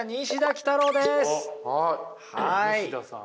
西田さん。